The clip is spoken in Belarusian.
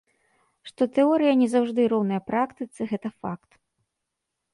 Што тэорыя не заўжды роўная практыцы, гэта факт.